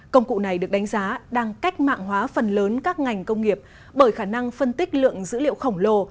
công cụ này được đánh giá đang cách mạng hóa phần lớn các ngành công nghiệp bởi khả năng phân tích lượng dữ liệu khổng lồ